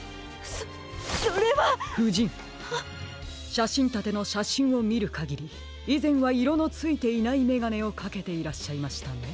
しゃしんたてのしゃしんをみるかぎりいぜんはいろのついていないめがねをかけていらっしゃいましたね。